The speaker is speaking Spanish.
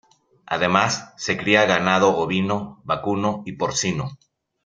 Además, se cría ganado ovino, vacuno y porcino.